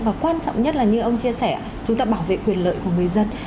và quan trọng nhất là như ông chia sẻ chúng ta bảo vệ quyền lợi của người dân